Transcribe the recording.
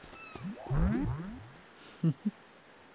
フフ。